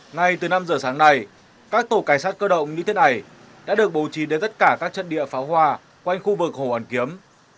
ngay từ năm giờ sáng nay các tổ cảnh sát cơ động như thế này đã được bầu trì đến tất cả các trận địa phá hoa quanh khu vực hồ hàn kiếm